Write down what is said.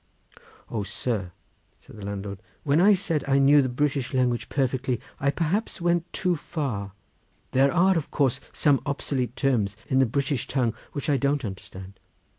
"O sir," said the landlord, "when I said I knew the British language perfectly, I perhaps went too far; there are of course some obsolete terms in the British tongue, which I don't understand.